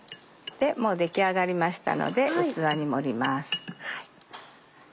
もう出来上がりましたので器に盛ります。